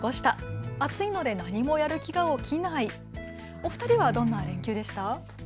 お二人はどんな連休でした？